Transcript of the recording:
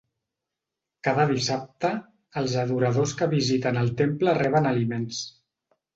Cada dissabte, els adoradors que visiten el temple reben aliments.